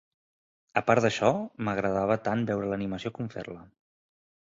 A part d'això, m'agradava tant veure l'animació com fer-la.